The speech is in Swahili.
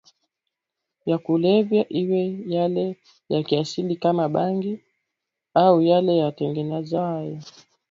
ya kulevya iwe yale ya kiasili kama bangi au yale yatengenezwayo